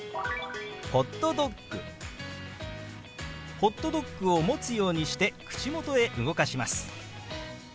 ホットドッグを持つようにして口元へ動かします。